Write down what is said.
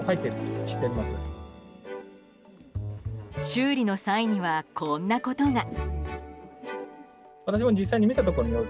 修理の際にはこんなことが。